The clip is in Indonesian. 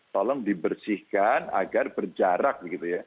tolong dibersihkan agar berjarak gitu ya